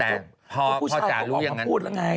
แต่พอจ๋ารู้อย่างนั้นพวกผู้ชายก็บอกความพูดละไง